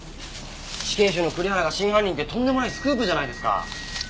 死刑囚の栗原が真犯人ってとんでもないスクープじゃないですか！